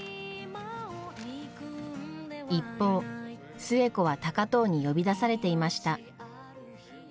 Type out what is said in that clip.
一方寿恵子は高藤に呼び出されていました。